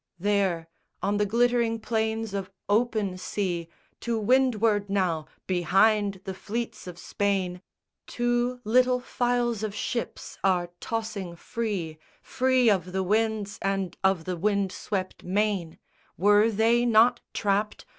There, on the glittering plains of open sea, To windward now, behind the fleets of Spain, Two little files of ships are tossing free, Free of the winds and of the wind swept main: Were they not trapped?